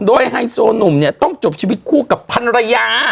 โดยไฮโซหนุ่มเนี่ยต้องจบชีวิตคู่กับพันรยา